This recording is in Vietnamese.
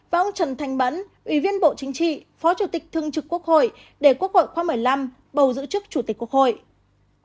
và ông trần thanh bẫn ủy viên bộ chính trị phó chủ tịch thương trực quốc hội để quốc hội khoa một mươi năm bầu giữ chức chủ tịch quốc hội